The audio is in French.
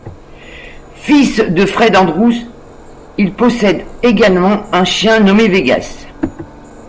Fils de Fred Andrews, il possède également un chien nommé Vegas.